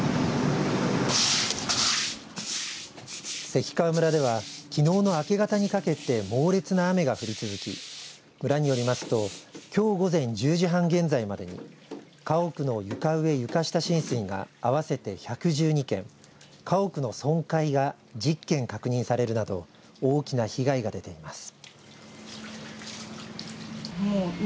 関川村ではきのうの明け方にかけて猛烈な雨が降り続き村によりますときょう午前１０時半現在までに家屋の床上、床下浸水が合わせて１１２件家屋の損壊が１０件確認されるなど大きな被害が出ています。